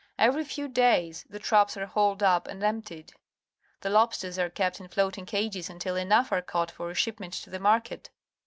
Every few days the traps are hauled up and emptied. The lobsters are kept in floating cages until enough are caught for a shipment to the marliet.